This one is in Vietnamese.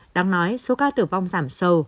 đáng nói số ca tử vong giảm sâu